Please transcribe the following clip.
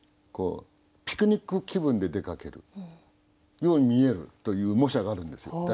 ピクニック気分で出かけるように見えるという模写があるんですよ。